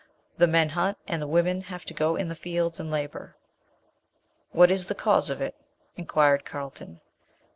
The men hunt and the women have to go in the fields and labour." "What is the cause of it?" inquired Carlton.